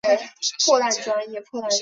金祝专线是上海市的一条公交路线。